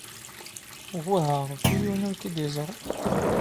Wah a Ṛebbi yiwen ur k-id-yeẓṛi.